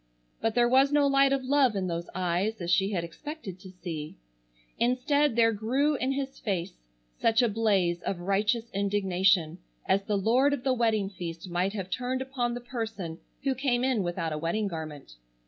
But there was no light of love in those eyes as she had expected to see. Instead there grew in his face such a blaze of righteous indignation as the lord of the wedding feast might have turned upon the person who came in without a wedding garment.